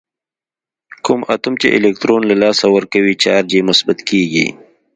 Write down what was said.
کوم اتوم چې الکترون له لاسه ورکوي چارج یې مثبت کیږي.